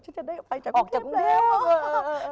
ฉันจะได้อภัยจากกรุงเทพฯแล้ว